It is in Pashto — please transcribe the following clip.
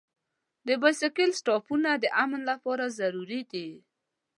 د بایسکل سټاپونه د امن لپاره ضروري دي.